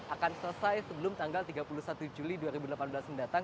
akan selesai sebelum tanggal tiga puluh satu juli dua ribu delapan belas mendatang